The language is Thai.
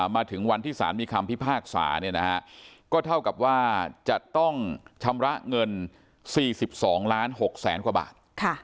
มาถึงวันที่สารมีคำพิพากษาก็เท่ากับว่าจะต้องชำระเงิน๔๒ล้าน๖แสนกว่าบาท